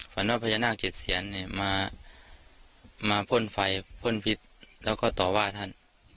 ฝันว่าพญานาคเกียจเซียนมาพ่นไฟพ่นพิษแล้วก็ต่อว่าท่าน